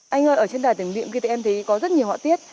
anh ơi ở trên đài thử nghiệm kia em thấy có rất nhiều họa tiết